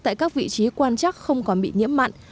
tại các vị trí quan chắc không còn bị nhiễm mặn